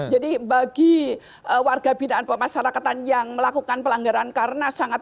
jadi bagi warga binaan pemasarakatan yang melakukan pelanggaran karena sangat terperangkap